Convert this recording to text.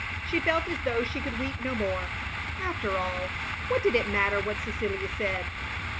She felt as though she could weep no more. After all, what did it matter what Cecilia said?